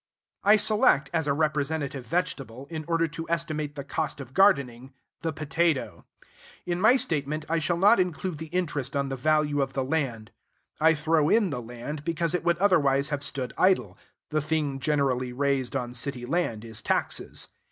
I select as a representative vegetable, in order to estimate the cost of gardening, the potato. In my statement, I shall not include the interest on the value of the land. I throw in the land, because it would otherwise have stood idle: the thing generally raised on city land is taxes.